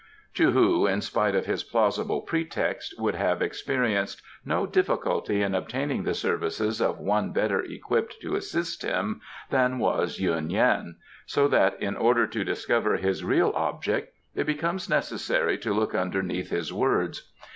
Chou hu, in spite of his plausible pretext, would have experienced no difficulty in obtaining the services of one better equipped to assist him than was Yuen Yan, so that in order to discover his real object it becomes necessary to look underneath his words.